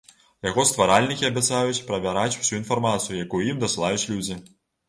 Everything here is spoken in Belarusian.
Яго стваральнікі абяцаюць правяраць усю інфармацыю, якую ім дасылаюць людзі.